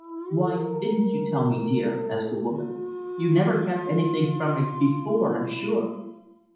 "Why didn't you tell me, dear?" asked the woman. "You never kept anything from me, before I'm sure."